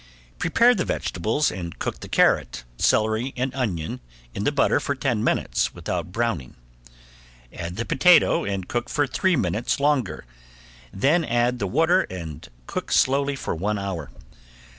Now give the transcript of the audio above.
Prepare the vegetables and cook the carrot, celery and onion in the butter for ten minutes without browning. Add the potato and cook for three minutes longer, then add the water and cook slowly for one hour.